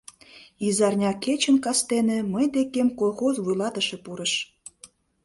— Изарня кечын кастене мый декем колхоз вуйлатыше пурыш.